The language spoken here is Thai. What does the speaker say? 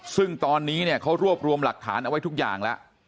ซึ่งตอนนี้เนี่ยเขารวบรวมหลักฐานเอาไว้ทุกอย่างแล้ว